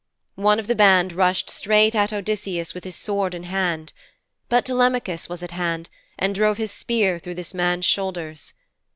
One of the band rushed straight at Odysseus with his sword in hand. But Telemachus was at hand, and he drove his spear through this man's shoulders.